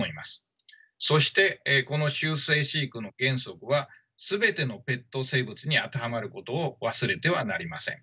そしてこの終生飼育の原則は全てのペット生物に当てはまることを忘れてはなりません。